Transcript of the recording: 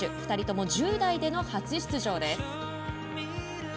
２人とも１０代での初出場です。